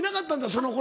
その頃。